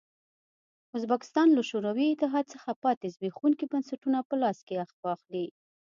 ازبکستان له شوروي اتحاد څخه پاتې زبېښونکي بنسټونه په لاس کې واخلي.